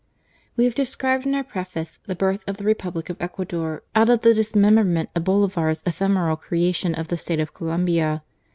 We have described in bur Preface the birth of the Republic of Ecuador out of the dismemberment of Bolivar's ephemeral creation of the State of Colombia.